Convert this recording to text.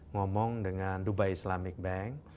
ngomong dengan dubai islamic bank